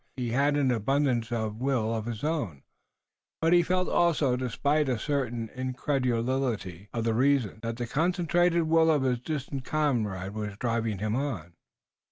He had an abundance of will of his own, but he felt also, despite a certain incredulity of the reason, that the concentrated will of his distant comrade was driving him on.